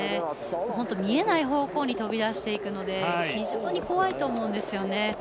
見えない方向にとび出していくので非常に怖いと思うんですよね。